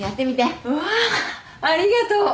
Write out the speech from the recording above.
うわありがとう。